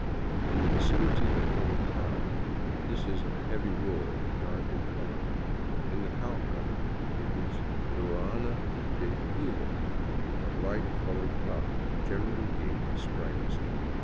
In the vicinity of Bogota this is of heavy wool and dark in color ; in the Cauca it is the ruaria de hilo, of light colored cotton, generally gay with stripes.